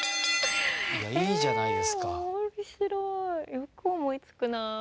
よく思いつくな。